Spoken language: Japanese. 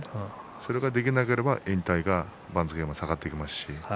それができなければ引退か、番付も下がっていきます。